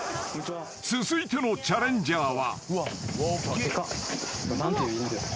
［続いてのチャレンジャーは］